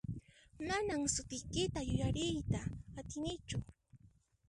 Manan sutiykita yuyariyta atinichu.